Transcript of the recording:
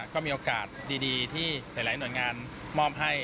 ก็มีโอกาสดีที่หลายหน่วยงานมอบให้